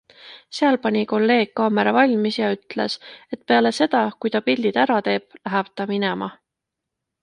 Seal pani kolleeg kaamera valmis ja ütles, et peale seda, kui ta pildid ära teeb, läheb ta minema.